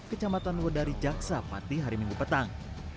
kecamatan wedari jaksa pati hari minggu petang